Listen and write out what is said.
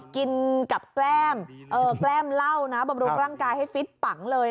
กินกับแก้มแก้มเหล้านะบำรุงร่างกายให้ฟิตปังเลย